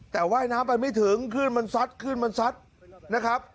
แต่ว่ายน้ำเข้าไม่ถึงคลื่นมันซัดนะครับ